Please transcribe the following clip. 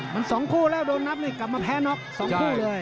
มัน๒คู่แล้วโดนนับนี่กลับมาแพ้น็อก๒คู่เลย